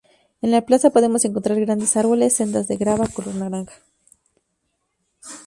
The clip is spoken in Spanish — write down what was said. En la plaza podemos encontrar grandes árboles, sendas de grava color naranja.